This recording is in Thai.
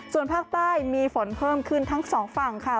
ส่วนภาคใต้มีฝนเพิ่มขึ้นทั้งสองฝั่งค่ะ